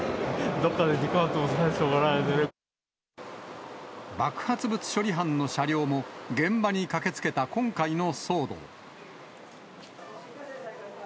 どこかで時間を潰さないと、爆発物処理班の車両も現場に駆けつけた今回の騒動。